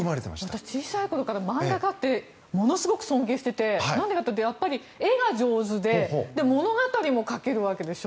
私小さい頃から漫画家ってものすごく尊敬しててなんでかというとやっぱり絵が上手で物語も書けるわけでしょ？